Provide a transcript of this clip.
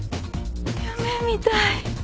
夢みたい。